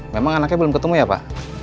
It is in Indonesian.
memang anaknya belum ketemu ya pak